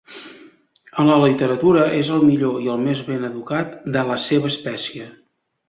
En la literatura és el millor i el més ben educat de la seva espècie.